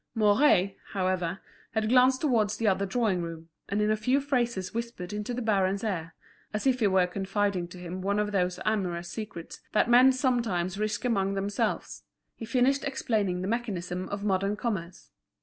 Mouret, however, had glanced towards the other drawing room, and in a few phrases whispered into the baron's ear, as if he were confiding to him one of those amorous secrets that men sometimes risk among themselves, he finished explaining the mechanism of modern commerce.